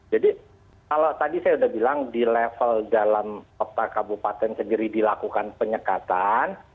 jadi kalau tadi saya sudah bilang di level dalam kabupaten sendiri dilakukan penyekatan